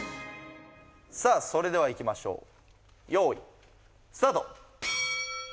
さあそれではいきましょうよーいスタート！